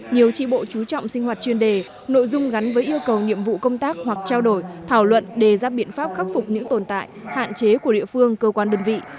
nhiều tri bộ chú trọng sinh hoạt chuyên đề nội dung gắn với yêu cầu nhiệm vụ công tác hoặc trao đổi thảo luận đề ra biện pháp khắc phục những tồn tại hạn chế của địa phương cơ quan đơn vị